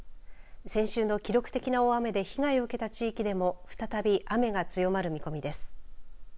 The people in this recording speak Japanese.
先週の記録的な大雨で被害を受けた地域でも再び雨が強まる見込みです。